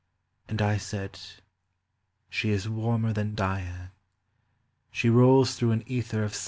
And I said —" She is warmer than Dian : She rolls through an ether of